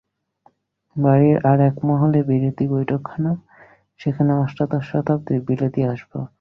বাড়ির আর-এক মহলে বিলিতি বৈঠকখানা, সেখানে অষ্টাদশ শতাব্দীর বিলিতি আসবাব।